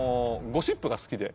ゴシップ好きで。